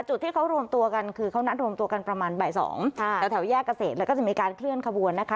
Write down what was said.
จุดที่เขารวมตัวกันคือเขานัดรวมตัวกันประมาณบ่ายสองแถวแยกเกษตรแล้วก็จะมีการเคลื่อนขบวนนะคะ